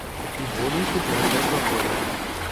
І болей купляць алкаголю.